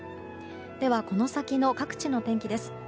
では、この先の各地の天気です。